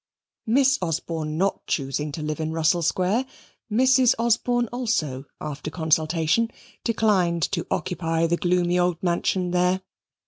Miss Osborne not choosing to live in Russell Square, Mrs. Osborne also, after consultation, declined to occupy the gloomy old mansion there.